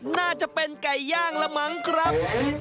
น่าจะเป็นไก่ย่างละมั้งครับ